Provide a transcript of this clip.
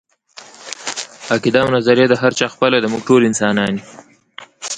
عقیده او نظريه د هر چا خپله ده، موږ ټول انسانان يو